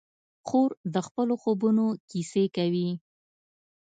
خور د خپلو خوبونو کیسې کوي.